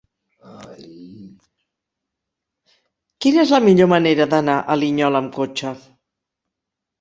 Quina és la millor manera d'anar a Linyola amb cotxe?